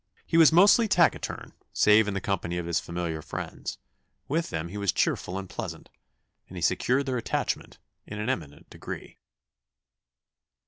He was mostly taciturn, save in the company of his familiar friends; with them he was cheerful and pleasant, and he secured their attachment in an eminent degree."